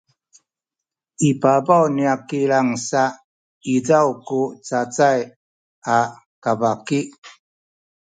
i pabaw niya kilang sa izaw ku cacay a kabaki